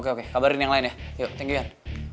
oke kabarin yang lain ya thank you yan